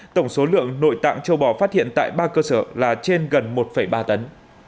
tổng số lượng nội tạng châu bò phát hiện tại ba cơ sở là trên gần một ba tấn